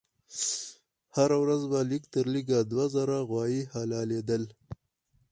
هر ورځ به لږ تر لږه دوه زره غوایي حلالېدل.